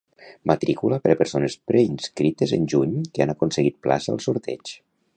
Matrícula per a persones preinscrites en juny que han aconseguit plaça al sorteig.